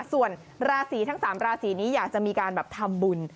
ส่วนราศีทั้ง๓ราศีนี้อยากจะมีการแบบทำบุญ